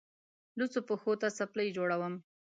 لوڅو پښو ته څپلۍ جوړوم.